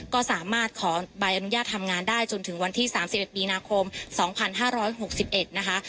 ก็สามารถขอใบอนุญาตทำงานได้จนถึงวันที่๓๑มีนาคม๒๕๖๑นะคะ